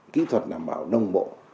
kỹ thuật đảm bảo đông bộ